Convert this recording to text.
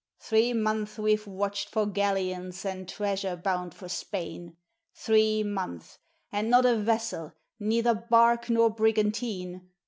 Three months we've watched for galleons and treasure bound for Spain; Three months! and not a vessel, neither barque nor brigantine!